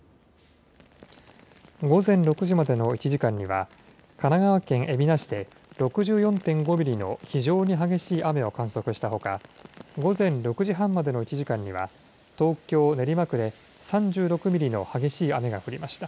午前６時までの１時間には、神奈川県海老名市で６４．５ミリの非常に激しい雨を観測したほか、午前６時半までの１時間には、東京・練馬区で３６ミリの激しい雨が降りました。